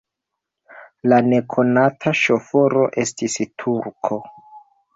La nekonata ŝoforo estis turko.